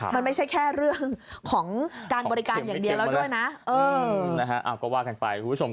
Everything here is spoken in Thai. มันไม่ใช่แค่เรื่องของการบริการอย่างเดียวแล้วด้วยนะ